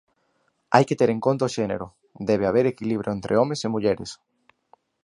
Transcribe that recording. Hai que ter en conta o xénero, debe haber equilibrio entre homes e mulleres.